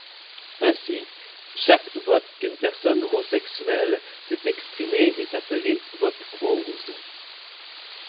Ainsi, chaque vote qu'une personne homosexuelle peut exprimer est appelé vote rose.